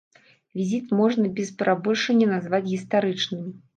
Візіт можна без перабольшання назваць гістарычным.